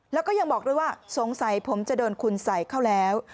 แล้วก็ยังบอกด้วยว่าสงสัยผมจะโดนคุณใส่เข้าแล้ว